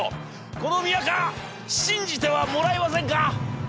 この宮河信じてはもらえませんか！』。